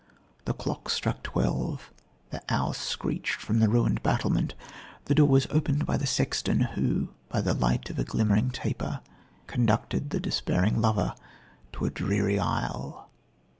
The clock struck twelve, the owl screeched from the ruined battlement, the door was opened by the sexton, who, by the light of a glimmering taper, conducted the despairing lover to a dreary aisle."